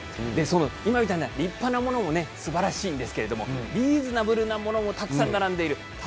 今みたいな立派なものもすばらしいんですけどリーズナブルなものも並んでいます。